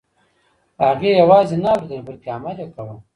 هغې یوازې نه اورېدل بلکه عمل یې کاوه.